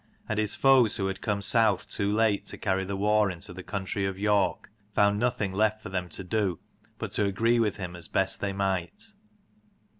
And his foes, who had come south too late to carry the war into the country of York, found nothing left for them to do but to agree with him as best they might.